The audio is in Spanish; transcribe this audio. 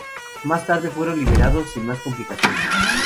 Más tarde fueron liberados sin más complicaciones.